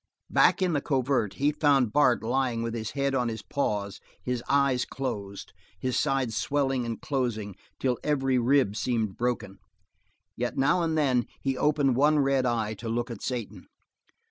Back in the covert he found Bart lying with his head on his paws, his eyes closed, his sides swelling and closing till every rib seemed broken; yet now and then he opened one red eye to look at Satan.